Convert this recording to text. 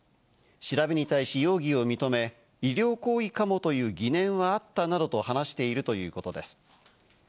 調べに対し容疑を認め、医療行為かもという疑念はあったなどと話しているということです。